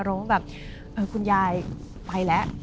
อารมณ์ว่าแบบคุณยายไปแล้ว